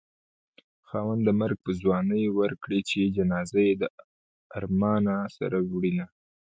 خاونده مرګ په ځوانۍ ورکړې چې جنازه يې د ارمانه سره وړينه